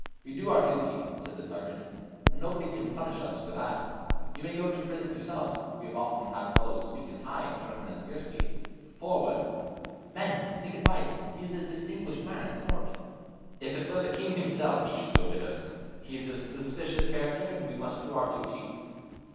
"We do our duty," said the sergeant, "and nobody can punish us for that; you may go to a prison yourself; we have often had fellows speak as high, and threaten as fiercely; forward!" "Men! take advice; he is a distinguished man at court." "If it were a king himself he should go with us. He is a suspicious character, and we must do our duty."